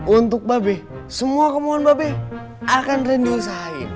untuk be semua kemauan be akan rendah diusahain